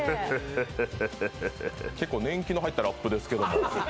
結構年期に入ったラップですけど。